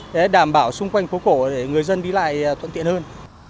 để đảm bảo xung quanh phố cổ để người dân đi lại thuận tiện hơn